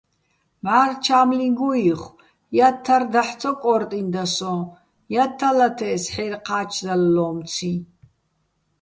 მჵარლ' ჩა́მლიჼ გუჸიხო̆, ჲათთარ დაჰ̦ ცო კო́რტინდა სოჼ, ჲათთალათე́ს ჰ̦აჲრი̆ ჴა́ჩდალლომციჼ.